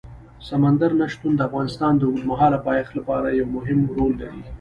سمندر نه شتون د افغانستان د اوږدمهاله پایښت لپاره یو مهم رول لري.